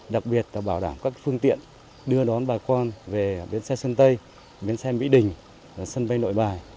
đặc biệt là bảo đảm các phương tiện đưa đón bà con về biến xe sân tây bến xe mỹ đình sân bay nội bài